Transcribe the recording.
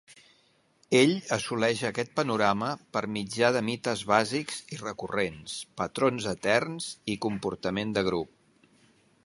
Ell assoleix aquest panorama per mitjà de mites bàsics i recurrents, patrons eterns i comportament de grup.